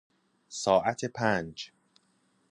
ساعت پنج